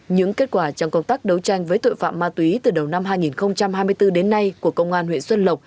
những kết quả trong công tác đấu tranh với tội phạm ma túy từ đầu năm hai nghìn hai mươi bốn đến nay của công an huyện xuân lộc